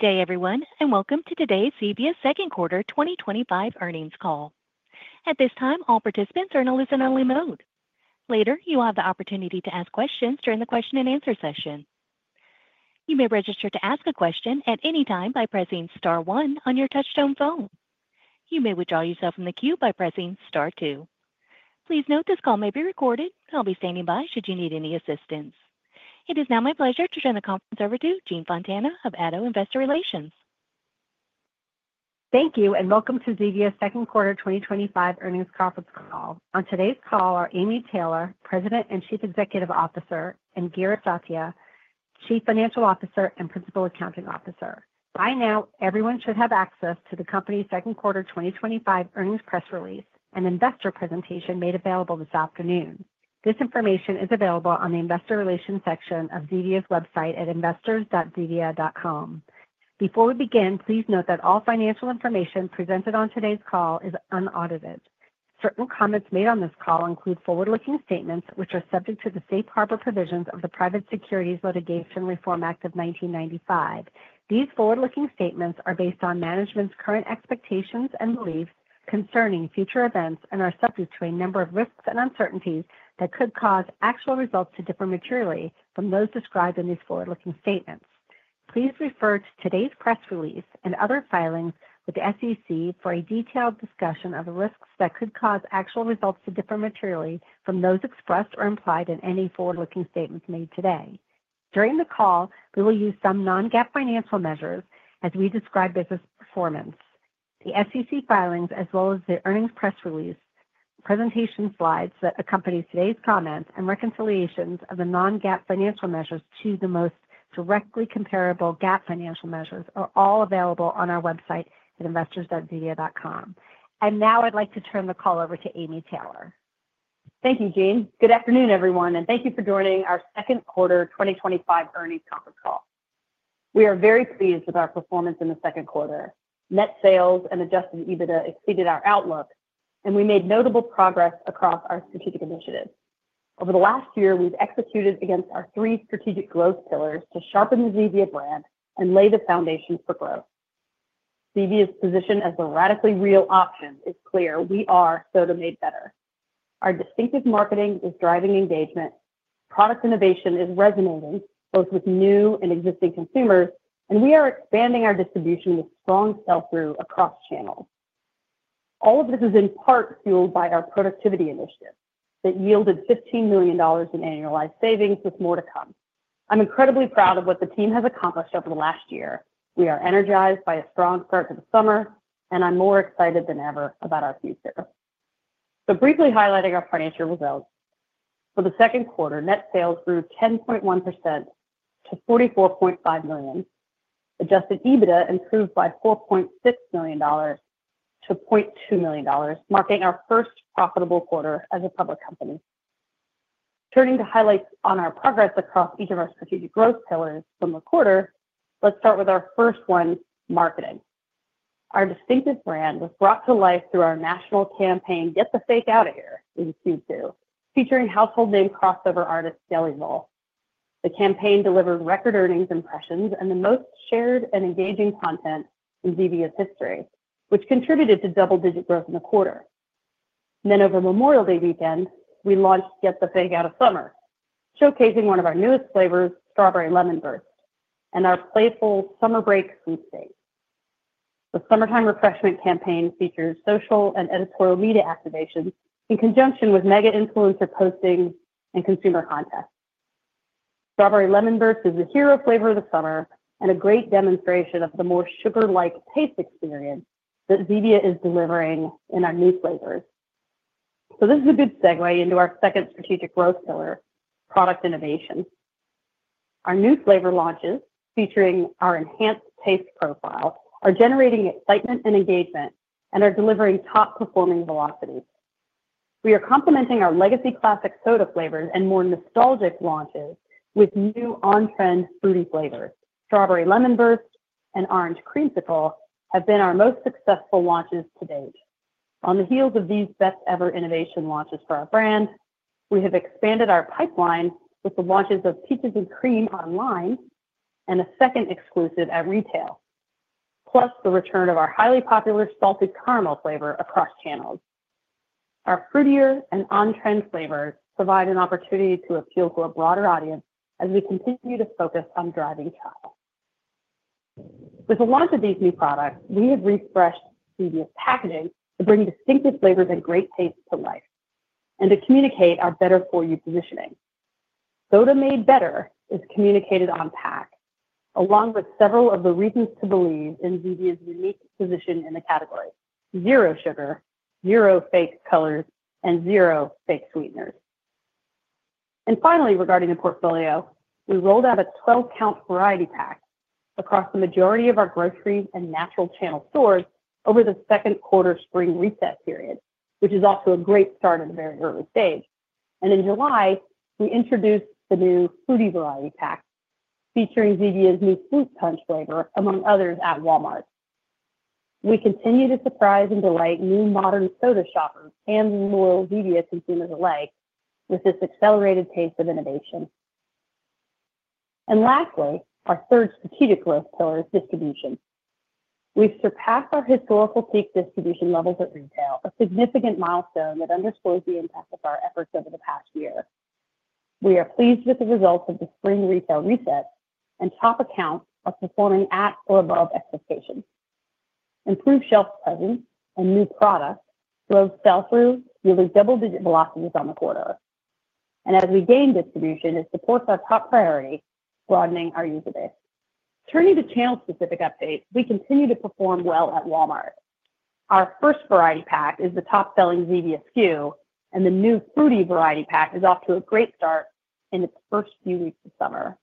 Good day, everyone, and welcome to today's Zevia PBC Second Quarter 2025 Earnings Call. At this time, all participants are in a listen-only mode. Later, you will have the opportunity to ask questions during the question-and-answer session. You may register to ask a question at any time by pressing star one on your touch-tone phone. You may withdraw yourself from the queue by pressing star two. Please note this call may be recorded, and I'll be standing by should you need any assistance. It is now my pleasure to turn the conference over to Jean Fontana of ADDO Investor Relations. Thank you, and welcome to Zevia's Second Quarter 2025 Earnings Conference Call. On today's call are Amy Taylor, President and Chief Executive Officer, and Girish Satya, Chief Financial Officer and Principal Accounting Officer. By now, everyone should have access to the company's Second Quarter 2025 Earnings Press Release and Investor Presentation made available this afternoon. This information is available on the Investor Relations section of Zevia's website at investors.zevia.com. Before we begin, please note that all financial information presented on today's call is unaudited. Certain comments made on this call include forward-looking statements, which are subject to the safe harbor provisions of the Private Securities Litigation Reform Act of 1995. These forward-looking statements are based on management's current expectations and beliefs concerning future events and are subject to a number of risks and uncertainties that could cause actual results to differ materially from those described in these forward-looking statements. Please refer to today's press release and other filings with the SEC for a detailed discussion of the risks that could cause actual results to differ materially from those expressed or implied in any forward-looking statements made today. During the call, we will use some non-GAAP financial measures as we describe business performance. The SEC filings, as well as the earnings press release presentation slides that accompany today's comments and reconciliations of the non-GAAP financial measures to the most directly comparable GAAP financial measures, are all available on our website at investors.zevia.com. Now I'd like to turn the call over to Amy Taylor. Thank you, Jean. Good afternoon, everyone, and thank you for joining our Second Quarter 2025 Earnings Conference Call. We are very pleased with our performance in the second quarter. Net sales and adjusted EBITDA exceeded our outlook, and we made notable progress across our strategic initiatives. Over the last year, we've executed against our three strategic growth pillars to sharpen the Zevia brand and lay the foundation for growth. Zevia's position as the radically real option is clear: we are tough to make better. Our distinctive marketing is driving engagement. Product innovation is resonating both with new and existing consumers, and we are expanding our distribution with strong sell-through across channels. All of this is in part fueled by our productivity initiative that yielded $15 million in annualized savings, with more to come. I'm incredibly proud of what the team has accomplished over the last year. We are energized by a strong start to the summer, and I'm more excited than ever about our future. Briefly highlighting our financial results, for the second quarter, net sales grew 10.1% to $44.5 million. Adjusted EBITDA improved by $4.6 million-$0.2 million, marking our first profitable quarter as a public company. Turning to highlights on our progress across each of our strategic growth pillars from the quarter, let's start with our first one, marketing. Our distinctive brand was brought to life through our national campaign, "Get the Fake Outta Here" in Q2, featuring household name crossover artist Jerry Roll. The campaign delivered record earnings impressions and the most shared and engaging content in Zevia's history, which contributed to double-digit growth in the quarter. Over Memorial Day weekend, we launched "Get the Fake Outta Summer," showcasing one of our newest flavors, Strawberry Lemon Burst, and our playful summer break sweepstakes. The summertime refreshment campaign features social and editorial media activation in conjunction with mega-influencer postings and consumer contest. Strawberry Lemon Burst is the hero flavor of the summer and a great demonstration of the more sugar-like taste experience that Zevia is delivering in our new flavors. This is a good segue into our second strategic growth pillar, product innovation. Our new flavor launches, featuring our enhanced taste profile, are generating excitement and engagement and are delivering top-performing velocities. We are complementing our legacy classic soda flavors and more nostalgic launches with new on-trend fruity flavors. Strawberry Lemon Burst and Orange Creamsicle have been our most successful launches to date. On the heels of these best-ever innovation launches for our brand, we have expanded our pipeline with the launches of Peaches & Cream online and a second exclusive at retail, plus the return of our highly popular Salted Caramel flavor across channels. Our fruitier and on-trend flavors provide an opportunity to appeal to a broader audience as we continue to focus on driving churn. With the launch of these new products, we have refreshed Zevia's packaging to bring distinctive flavors and great tastes to life and to communicate our better-for-you positioning. "Those who Made Better" is communicated on pack, along with several of the reasons to believe in Zevia's unique position in the category: zero sugar, zero fake colors, and zero fake sweeteners. Finally, regarding the portfolio, we rolled out a 12-count variety pack across the majority of our grocery and natural channel stores over the second quarter spring resale period, which is also a great start at a very early stage. In July, we introduced the new fruity variety pack, featuring Zevia's new Fruit Punch flavor, among others at Walmart. We continue to surprise and delight new modern soda shoppers and loyal Zevia consumers alike with this accelerated pace of innovation. Lastly, our third strategic growth pillar is distribution. We've surpassed our historical peak distribution levels at retail, a significant milestone that underscores the impact of our efforts over the past year. We are pleased with the results of the spring retail resale, and top accounts are performing at or above expectations. Improved shelf presence and new products drove sell-through, yielding double-digit velocities on the quarter. As we gain distribution, it supports our top priority broadening our user base. Turning to channel-specific updates, we continue to perform well at Walmart. Our first variety pack is the top-selling Zevia SKU, and the new fruity variety pack is off to a great start in its first few weeks of summer.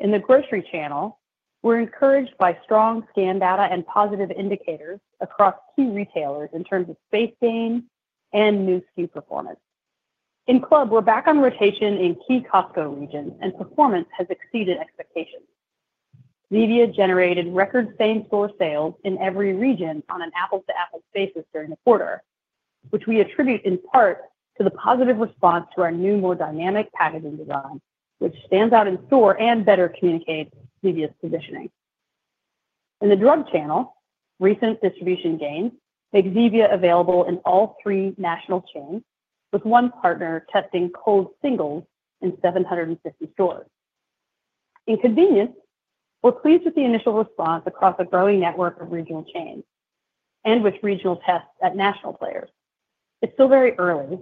In the grocery channel, we're encouraged by strong scan data and positive indicators across key retailers in terms of space gain and new SKU performance. In club, we're back on rotation in key Costco regions, and performance has exceeded expectations. Zevia generated record same-store sales in every region on an apples-to-apples basis during the quarter, which we attribute in part to the positive response to our new, more dynamic packaging design, which stands out in store and better communicates Zevia's positioning. In the drug channel, recent distribution gains make Zevia available in all three national chains, with one partner testing cold singles in 750 stores. In convenience, we're pleased with the initial response across a growing network of regional chains and with regional tests at national players. It's still very early,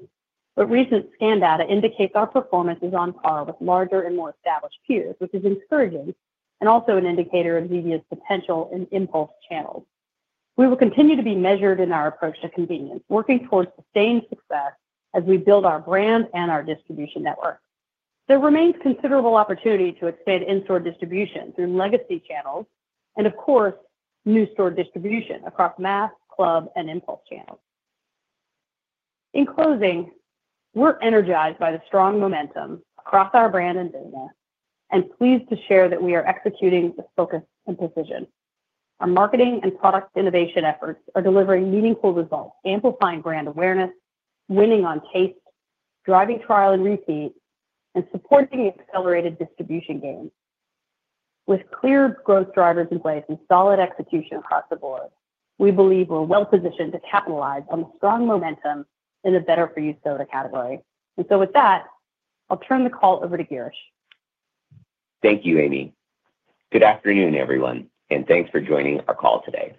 but recent scan data indicates our performance is on par with larger and more established peers, which is encouraging and also an indicator of Zevia's potential in impulse channels. We will continue to be measured in our approach to convenience, working towards sustained success as we build our brand and our distribution network. There remains considerable opportunity to expand in-store distribution through legacy channels and, of course, new store distribution across mass, club, and impulse channels. In closing, we're energized by the strong momentum across our brand and business and pleased to share that we are executing with focus and precision. Our marketing and product innovation efforts are delivering meaningful results, amplifying brand awareness, winning on taste, driving trial and repeat, and supporting the accelerated distribution gains. With clear growth drivers in place and solid execution across the board, we believe we're well-positioned to capitalize on the strong momentum in the better-for-you soda category. With that, I'll turn the call over to Girish. Thank you, Amy. Good afternoon, everyone, and thanks for joining our call today.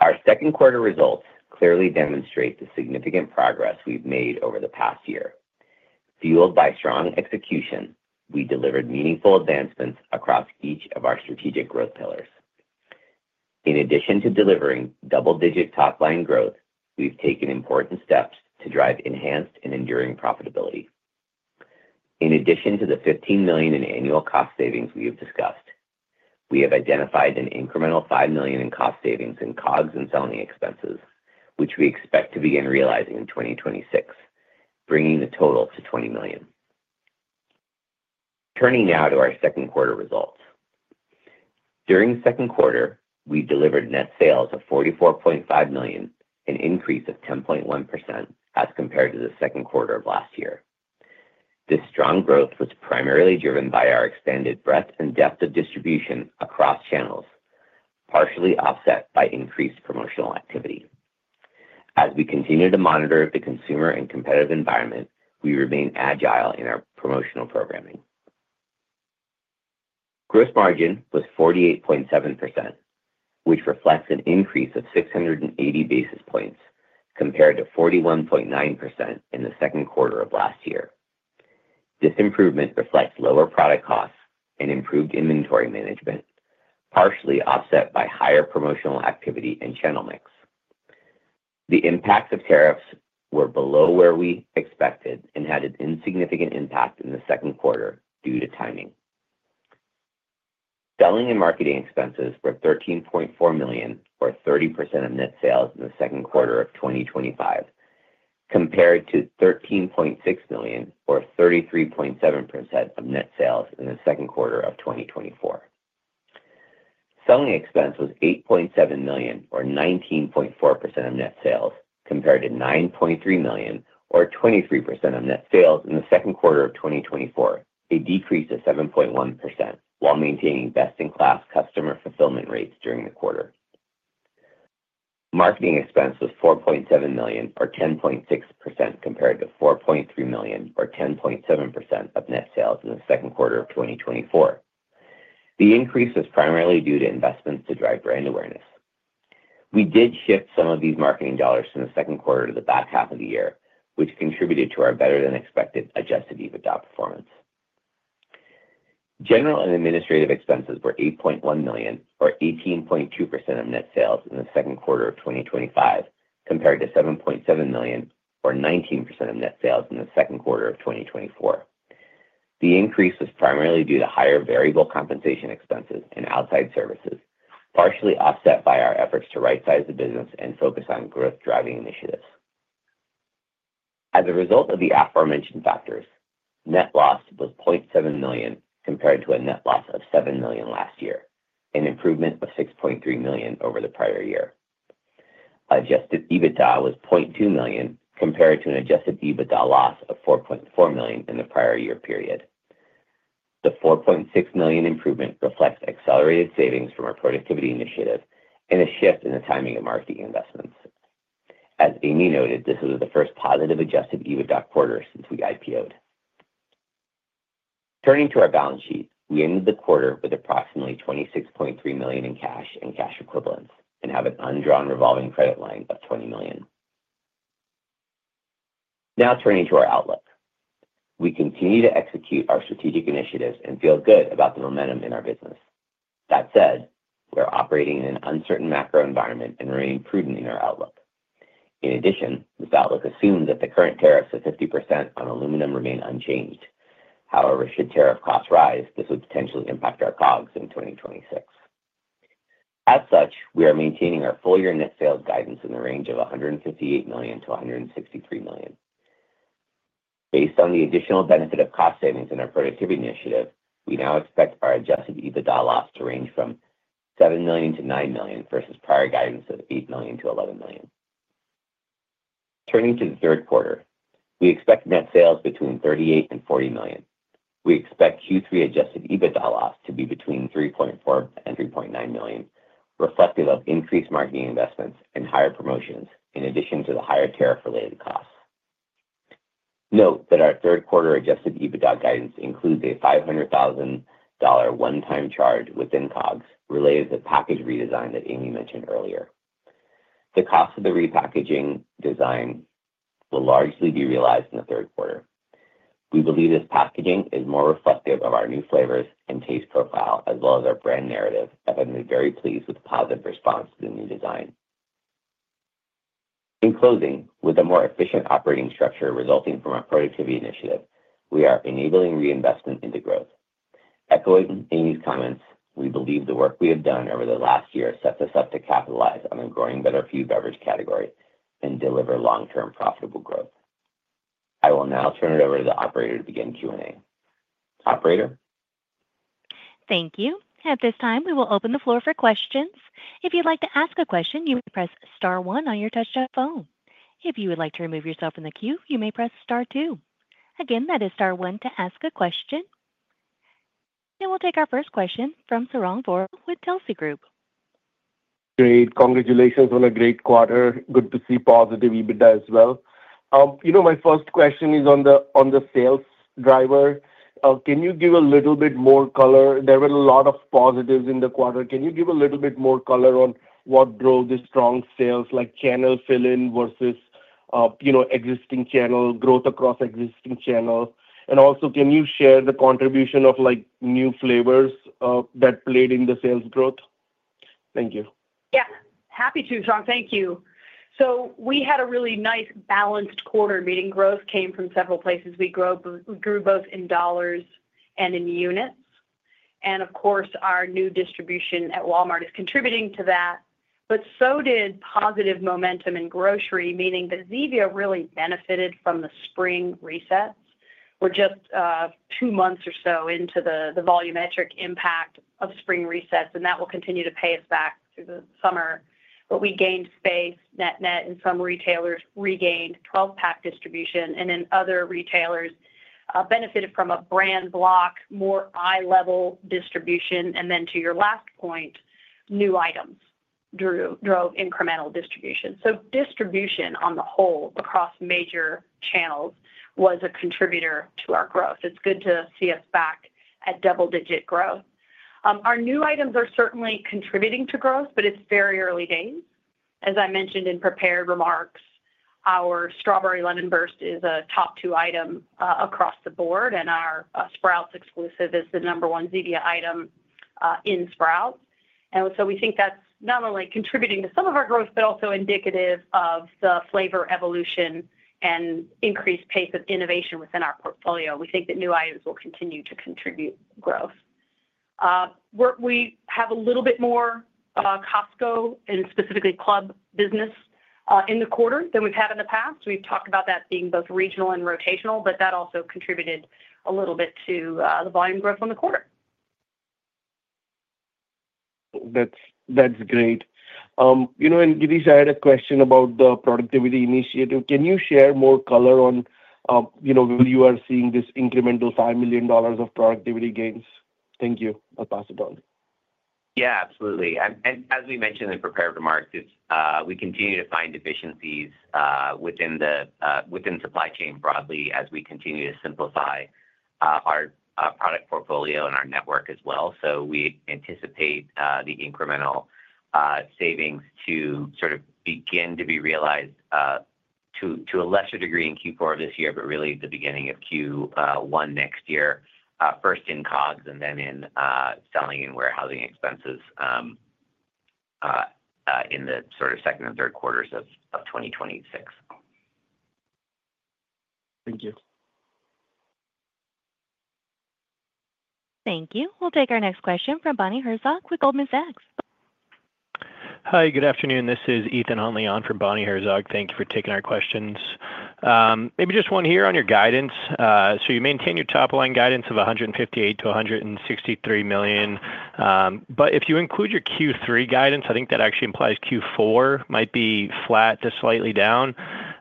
Our second quarter results clearly demonstrate the significant progress we've made over the past year. Fueled by strong execution, we delivered meaningful advancements across each of our strategic growth pillars. In addition to delivering double-digit top-line growth, we've taken important steps to drive enhanced and enduring profitability. In addition to the $15 million in annual cost savings we have discussed, we have identified an incremental $5 million in cost savings in COGS and selling expenses, which we expect to begin realizing in 2026, bringing the total to $20 million. Turning now to our second quarter results. During the second quarter, we delivered net sales of $44.5 million, an increase of 10.1% as compared to the second quarter of last year. This strong growth was primarily driven by our expanded breadth and depth of distribution across channels, partially offset by increased promotional activity. As we continue to monitor the consumer and competitive environment, we remain agile in our promotional programming. Gross margin was 48.7%, which reflects an increase of 680 basis points compared to 41.9% in the second quarter of last year. This improvement reflects lower product costs and improved inventory management, partially offset by higher promotional activity and channel mix. The impacts of tariffs were below where we expected and had an insignificant impact in the second quarter due to timing. Selling and marketing expenses were $13.4 million, or 30% of net sales in the second quarter of 2025, compared to $13.6 million, or 33.7% of net sales in the second quarter of 2024. Selling expense was $8.7 million, or 19.4% of net sales, compared to $9.3 million, or 23% of net sales in the second quarter of 2024, a decrease of 7.1% while maintaining best-in-class customer fulfillment rates during the quarter. Marketing expense was $4.7 million, or 10.6%, compared to $4.3 million, or 10.7% of net sales in the second quarter of 2024. The increase was primarily due to investments to drive brand awareness. We did shift some of these marketing dollars from the second quarter to the back half of the year, which contributed to our better-than-expected adjusted EBITDA performance. General and administrative expenses were $8.1 million, or 18.2% of net sales in the second quarter of 2025, compared to $7.7 million, or 19% of net sales in the second quarter of 2024. The increase was primarily due to higher variable compensation expenses and outside services, partially offset by our efforts to right-size the business and focus on growth-driving initiatives. As a result of the aforementioned factors, net loss was $0.7 million compared to a net loss of $7 million last year, an improvement of $6.3 million over the prior year. Adjusted EBITDA was $0.2 million compared to an adjusted EBITDA loss of $4.4 million in the prior year period. The $4.6 million improvement reflects accelerated savings from our productivity initiative and a shift in the timing of marketing investments. As Amy noted, this was the first positive adjusted EBITDA quarter since we IPO'd. Turning to our balance sheet, we ended the quarter with approximately $26.3 million in cash and cash equivalents and have an undrawn revolving credit line of $20 million. Now turning to our outlook, we continue to execute our strategic initiatives and feel good about the momentum in our business. That said, we're operating in an uncertain macro environment and remain prudent in our outlook. In addition, this outlook assumes that the current tariffs of 50% on aluminum remain unchanged. However, should tariff costs rise, this would potentially impact our COGS in 2026. As such, we are maintaining our full-year net sales guidance in the range of $158 million-$163 million. Based on the additional benefit of cost savings in our productivity initiative, we now expect our adjusted EBITDA loss to range from $7 million-$9 million versus prior guidance of $8 million-$11 million. Turning to the third quarter, we expect net sales between $38 million and $40 million. We expect Q3 adjusted EBITDA loss to be between $3.4 million and $3.9 million, reflective of increased marketing investments and higher promotions, in addition to the higher tariff-related costs. Note that our third quarter adjusted EBITDA guidance includes a $500,000 one-time charge within COGS related to the package redesign that Amy mentioned earlier. The cost of the repackaging design will largely be realized in the third quarter. We believe this packaging is more reflective of our new flavors and taste profile, as well as our brand narrative, and have been very pleased with the positive response to the new design. In closing, with a more efficient operating structure resulting from our productivity initiative, we are enabling reinvestment into growth. Echoing Amy's comments, we believe the work we have done over the last year sets us up to capitalize on a growing better-for-you beverage category and deliver long-term profitable growth. I will now turn it over to the operator to begin Q&A. Operator? Thank you. At this time, we will open the floor for questions. If you'd like to ask a question, you may press star one on your touch phone. If you would like to remove yourself from the queue, you may press star two. Again, that is star one to ask a question. We'll take our first question from Sarang Vora with Telsey Group. Great. Congratulations on a great quarter. Good to see positive EBITDA as well. My first question is on the sales driver. Can you give a little bit more color? There were a lot of positives in the quarter. Can you give a little bit more color on what drove the strong sales, like channel fill-in versus existing channel growth across existing channel? Also, can you share the contribution of new flavors that played in the sales growth? Thank you. Yeah, happy to, Sarang. Thank you. We had a really nice balanced quarter, meaning growth came from several places. We grew both in dollars and in units. Of course, our new distribution at Walmart is contributing to that, but so did positive momentum in grocery, meaning that Zevia really benefited from the spring reset. We're just two months or so into the volumetric impact of spring resets, and that will continue to pay us back through the summer. We gained space, net net, and some retailers regained 12-pack distribution, and other retailers benefited from a brand-blocked, more eye-level distribution. To your last point, new items drove incremental distribution. Distribution on the whole across major channels was a contributor to our growth. It's good to see us back at double-digit growth. Our new items are certainly contributing to growth, but it's very early days. As I mentioned in prepared remarks, our Strawberry Lemon Burst is a top two item across the board, and our Sprouts exclusive is the number one Zevia item in Sprouts. We think that's not only contributing to some of our growth, but also indicative of the flavor evolution and increased pace of innovation within our portfolio. We think that new items will continue to contribute to growth. We have a little bit more Costco and specifically club business in the quarter than we've had in the past. We've talked about that being both regional and rotational, but that also contributed a little bit to the volume growth on the quarter. That's great. Girish, I had a question about the productivity initiative. Can you share more color on when you are seeing this incremental $5 million of productivity gains? Thank you. I'll pass it on. Absolutely. As we mentioned in prepared remarks, we continue to find efficiencies within the supply chain broadly as we continue to simplify our product portfolio and our network as well. We anticipate the incremental savings to begin to be realized to a lesser degree in Q4 this year, but really the beginning of Q1 next year, first in COGS and then in selling and warehousing expenses in the second and third quarters of 2026. Thank you. Thank you. We'll take our next question from Bonnie Herzog with Goldman Sachs. Hi, good afternoon. This is Ethan Huntley on for Bonnie Herzog. Thank you for taking our questions. Maybe just one here on your guidance. You maintain your top-line guidance of $158 million-$163 million, but if you include your Q3 guidance, I think that actually implies Q4 might be flat to slightly down.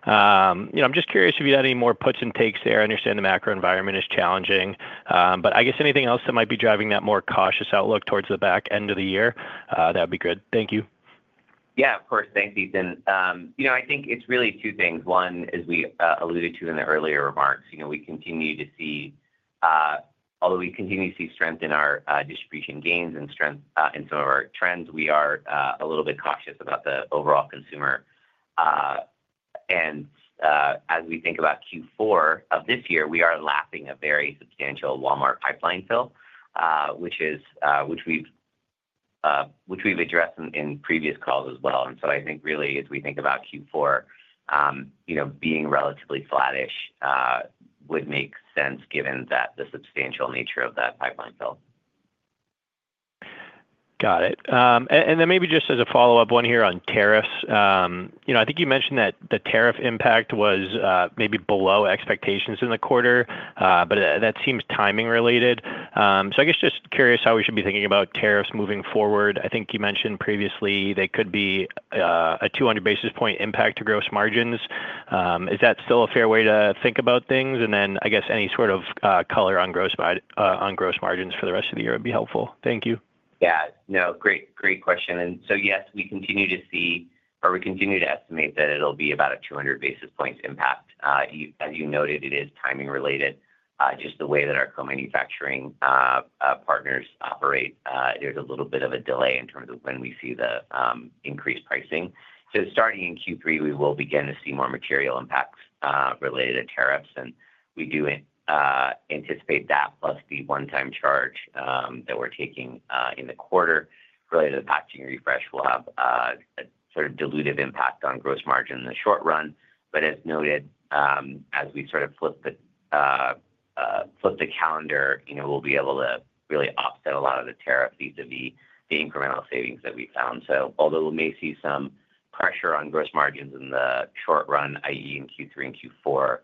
I'm just curious if you had any more puts and takes there. I understand the macro environment is challenging, but I guess anything else that might be driving that more cautious outlook towards the back end of the year, that would be great. Thank you. Yeah, of course. Thanks, Ethan. I think it's really two things. One, as we alluded to in the earlier remarks, we continue to see, although we continue to see strength in our distribution gains and strength in some of our trends, we are a little bit cautious about the overall consumer. As we think about Q4 of this year, we are lapping a very substantial Walmart pipeline fill, which we've addressed in previous calls as well. I think really, as we think about Q4, being relatively flattish would make sense given that the substantial nature of that pipeline fill. Got it. Maybe just as a follow-up, one here on tariffs. I think you mentioned that the tariff impact was maybe below expectations in the quarter, but that seems timing related. I guess just curious how we should be thinking about tariffs moving forward. I think you mentioned previously they could be a 200 basis point impact to gross margin. Is that still a fair way to think about things? I guess any sort of color on gross margin for the rest of the year would be helpful. Thank you. Yeah, great question. Yes, we continue to see, or we continue to estimate that it'll be about a 200 basis point impact. As you noted, it is timing related. Just the way that our co-manufacturing partners operate, there's a little bit of a delay in terms of when we see the increased pricing. Starting in Q3, we will begin to see more material impacts related to tariffs, and we do anticipate that plus the one-time charge that we're taking in the quarter related to the packaging refresh will have a sort of dilutive impact on gross margin in the short run. As noted, as we sort of flip the calendar, you know, we'll be able to really offset a lot of the tariffs due to the incremental savings that we found. Although we may see some pressure on gross margins in the short run, i.e. in Q3 and Q4,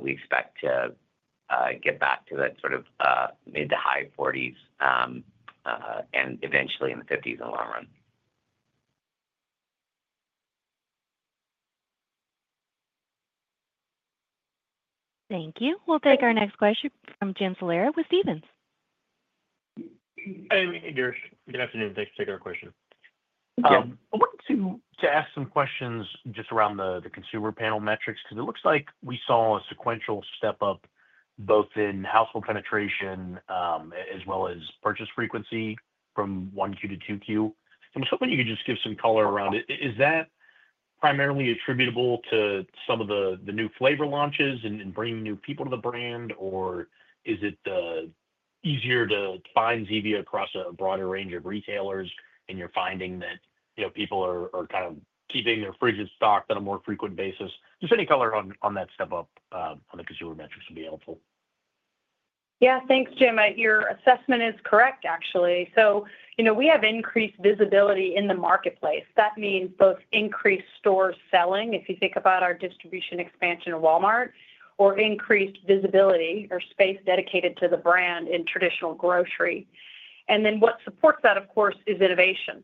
we expect to get back to that sort of mid to high 40% and eventually in the 50% in the long run. Thank you. We'll take our next question from Jim Salera with Stephens. Hey, Girish. Good afternoon. Thanks for taking our question. I wanted to ask some questions just around the consumer panel metrics because it looks like we saw a sequential step up both in household penetration as well as purchase frequency from 1Q-2Q. I was hoping you could just give some color around it. Is that primarily attributable to some of the new flavor launches and bringing new people to the brand, or is it easier to find Zevia across a broader range of retailers and you're finding that people are kind of keeping their fridge in stock on a more frequent basis? Any color on that step up on the consumer metrics would be helpful. Yeah, thanks, Jim. Your assessment is correct, actually. We have increased visibility in the marketplace. That means both increased store selling if you think about our distribution expansion to Walmart, or increased visibility or space dedicated to the brand in traditional grocery. What supports that, of course, is innovation.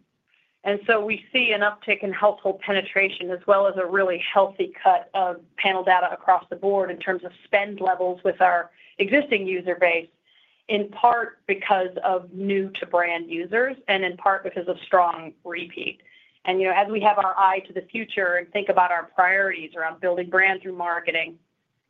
We see an uptick in household penetration as well as a really healthy cut of panel data across the board in terms of spend levels with our existing user base, in part because of new-to-brand users and in part because of strong repeat. As we have our eye to the future and think about our priorities around building brand through marketing,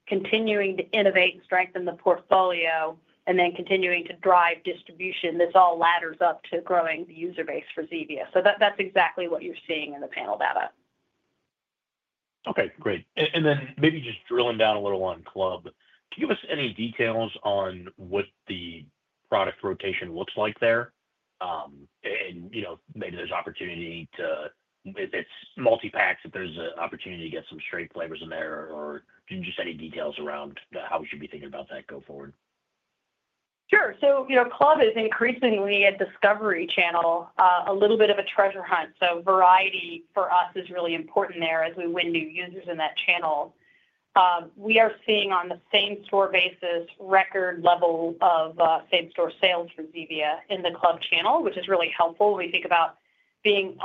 continuing to innovate and strengthen the portfolio, and then continuing to drive distribution, this all ladders up to growing the user base for Zevia. That's exactly what you're seeing in the panel data. Okay, great. Maybe just drilling down a little on club, can you give us any details on what the product rotation looks like there? You know, maybe there's opportunity to, if it's multi-packs, if there's an opportunity to get some straight flavors in there, or just any details around how we should be thinking about that going forward? Sure. Club is increasingly a discovery channel, a little bit of a treasure hunt. Variety for us is really important there as we win new users in that channel. We are seeing on the same-store basis record level of same-store sales for Zevia in the club channel, which is really helpful when we think about being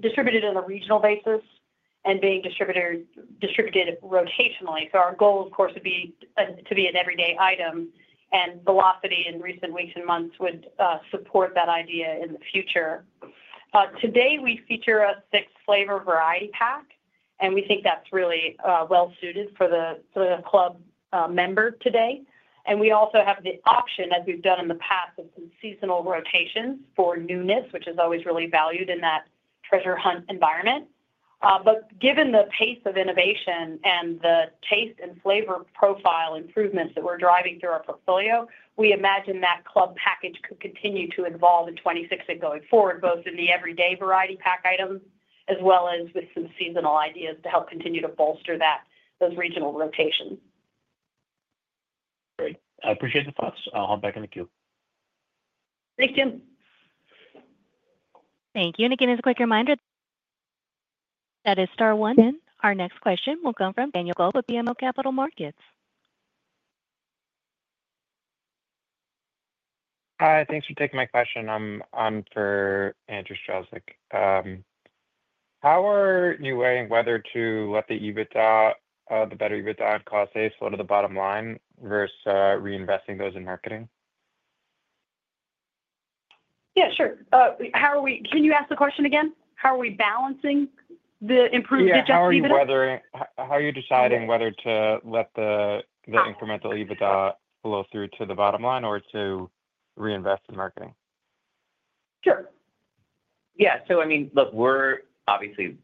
distributed on a regional basis and being distributed rotationally. Our goal, of course, would be to be an everyday item, and velocity in recent weeks and months would support that idea in the future. Today, we feature a six-flavor variety pack, and we think that's really well-suited for the club member today. We also have the option, as we've done in the past, of seasonal rotations for newness, which is always really valued in that treasure hunt environment. Given the pace of innovation and the taste and flavor profile improvements that we're driving through our portfolio, we imagine that club package could continue to evolve in 2026 and going forward, both in the everyday variety pack items as well as with some seasonal ideas to help continue to bolster those regional rotations. Great. I appreciate the thoughts. I'll hop back in the queue. Thanks, Jim. Thank you. As a quick reminder, that is star one. Our next question will come from Daniel Goldman with BMO Capital Markets. Hi, thanks for taking my question. I'm for Andrew Strelzik. How are you weighing whether to let the EBITDA, the better EBITDA on cost saves, go to the bottom line versus reinvesting those in marketing? How are we, can you ask the question again? How are we balancing the improved adjusted EBITDA? How are you deciding whether to let the incremental EBITDA flow through to the bottom line or to reinvest in marketing? Sure. Yeah. I mean, look, we're obviously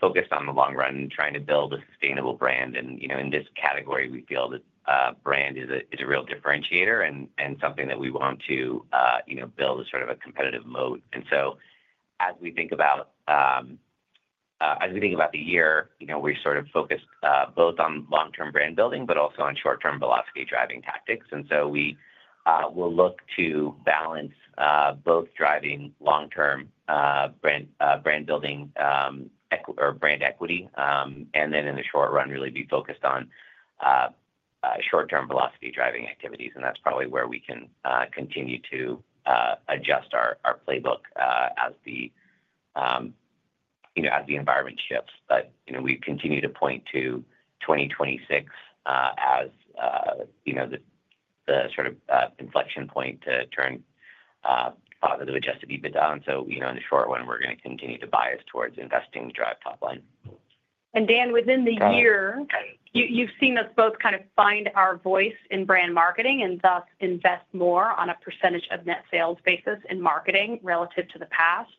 focused on the long run and trying to build a sustainable brand. In this category, we feel that brand is a real differentiator and something that we want to build as sort of a competitive moat. As we think about the year, we're sort of focused both on long-term brand building, but also on short-term velocity driving tactics. We will look to balance both driving long-term brand building or brand equity, and then in the short run, really be focused on short-term velocity driving activities. That's probably where we can continue to adjust our playbook as the environment shifts. We continue to point to 2026 as the sort of inflection point to turn positive adjusted EBITDA. In the short run, we're going to continue to bias towards investing to drive top line. Dan, within the year, you've seen us both kind of find our voice in brand marketing and thus invest more on a % of net sales basis in marketing relative to the past,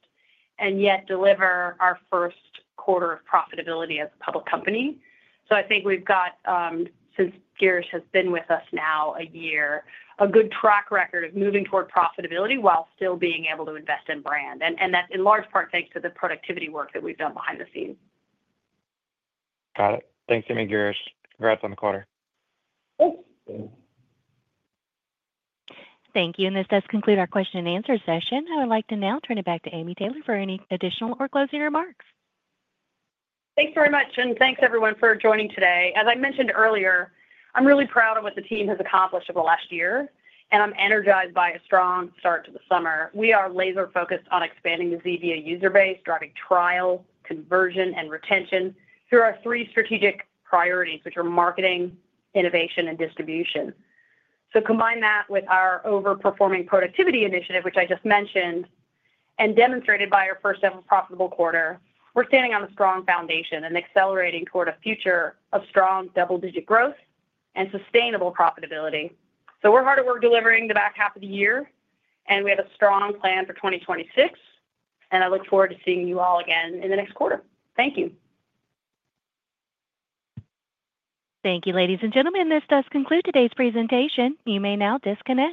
yet deliver our first quarter of profitability as a public company. I think we've got, since Girish has been with us now a year, a good track record of moving toward profitability while still being able to invest in brand. That's in large part thanks to the productivity work that we've done behind the scenes. Got it. Thanks, Amy and Girish. Congrats on the quarter. Thank you. This does conclude our question-and-answer session. I would like to now turn it back to Amy Taylor for any additional or closing remarks. Thanks very much, and thanks everyone for joining today. As I mentioned earlier, I'm really proud of what the team has accomplished over the last year, and I'm energized by a strong start to the summer. We are laser-focused on expanding the Zevia user base, driving trial, conversion, and retention through our three strategic priorities, which are marketing, innovation, and distribution. Combined with our over-performing productivity initiative, which I just mentioned, and demonstrated by our first ever profitable quarter, we're standing on a strong foundation and accelerating toward a future of strong double-digit growth and sustainable profitability. We're hard at work delivering the back half of the year, and we have a strong plan for 2026. I look forward to seeing you all again in the next quarter. Thank you. Thank you, ladies and gentlemen. This does conclude today's presentation. You may now disconnect.